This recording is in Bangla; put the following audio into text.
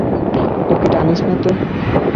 ওকে টানিস না তো।